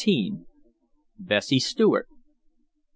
BESSIE STUART.